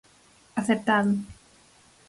Aceptado.